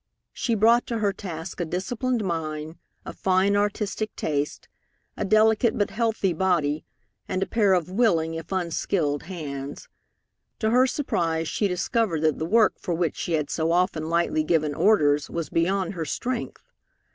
She brought to her task a disciplined mind, a fine artistic taste, a delicate but healthy body, and a pair of willing, if unskilled, hands. To her surprise, she discovered that the work for which she had so often lightly given orders was beyond her strength.